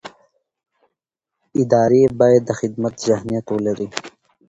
ادارې باید د خدمت ذهنیت ولري